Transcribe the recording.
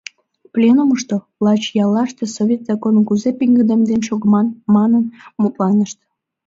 Пленумышто лач яллаште совет законым кузе пеҥгыдемден шогыман манын мутланышт.